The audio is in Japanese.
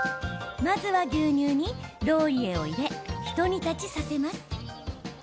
まずは牛乳にローリエを入れひと煮立ちさせます。